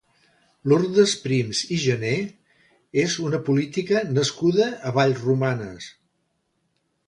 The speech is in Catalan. Lurdes Prims i Jané és una política nascuda a Vallromanes.